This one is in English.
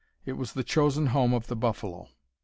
It was the chosen home of the buffalo."